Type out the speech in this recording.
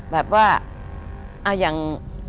แบบว่าอย่าง